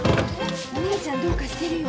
お姉ちゃんどうかしてるよ。